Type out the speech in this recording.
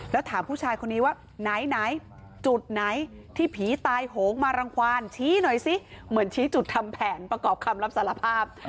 แล้วถามผู้ชายคนนี้ว่าไหนจุดไหนที่ผีตายโหงมารังความชี้หน่อยซิเหมือนชี้จุดทำแผนประกอบคำรับสารภาพ